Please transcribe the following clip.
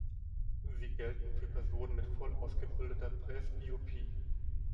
Sie gelten für Personen mit voll ausgebildeter Presbyopie.